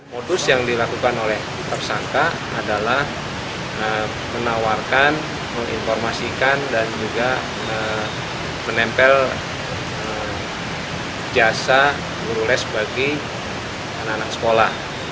modus yang dilakukan oleh tersangka adalah menawarkan menginformasikan dan juga menempel jasa guru les bagi anak anak sekolah